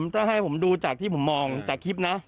ถ้าให้ผมดูจากที่ผมมองจากคลิปนะ